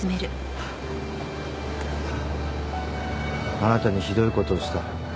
あなたにひどい事をした。